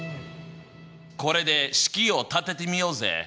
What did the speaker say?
これで式を立ててみようぜ！